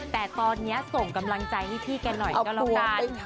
แต่ตอนนี้ส่งกำลังใจให้พี่แกหน่อยก็แล้วกัน